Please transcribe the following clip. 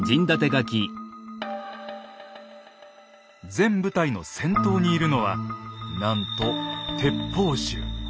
全部隊の先頭にいるのはなんと「鉄砲衆」。